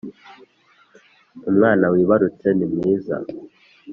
umwana wibarutse nimwiza